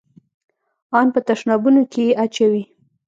ان په تشنابونو کښې يې اچوي.